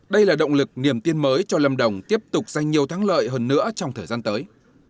đây là động lực niềm tiên mới cho lâm đồng tiếp tục dành nhiều thắng lợi hơn nữa trong thời gian tới